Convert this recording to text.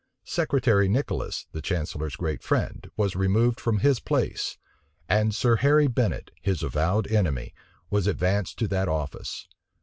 Secretary Nicholas, the chancellor's great friend, was removed from his place; and Sir Harry Bennet, his avowed enemy, was advanced to that office.